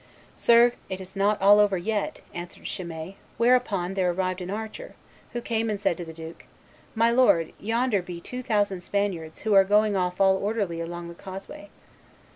'Sir, it is not all over yet,' answered Chimay; whereupon there arrived an archer, who came and said to the duke, 'My lord, yonder be two thousand Spaniards, who are going off all orderly along the causeway.